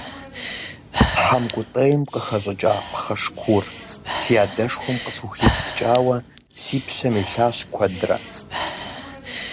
Хьэмкӏутӏейм къыхэщӏыкӏа пхъэшкур си адэшхуэм къысхухибзыкӏауэ си пщэм илъащ куэдрэ.